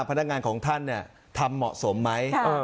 พนักงานของท่านเนี้ยทำเหมาะสมไหมใช่